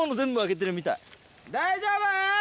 大丈夫？